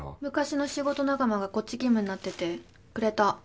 昔の仕事仲間がこっち勤務になっててくれた。